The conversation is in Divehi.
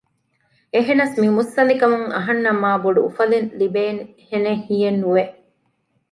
އެހެނަސް މި މުއްސަނދިކަމުން އަހަންނަށް މާ ބޮޑު އުފަލެއް ލިބޭހެނެއް ހިޔެއް ނުވެ